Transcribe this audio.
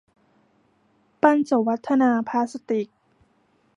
ปัญจวัฒนาพลาสติก